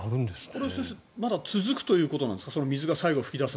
これ、先生まだ続くということなんですか？